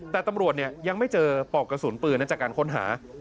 แต่ตำรวจยังไม่เจอปอกกระสุนปืนจากการค้นหา